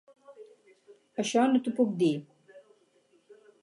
Això no t'ho puc dir.